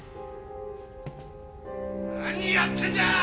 何やってんだ！